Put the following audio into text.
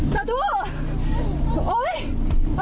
น้องเจ้า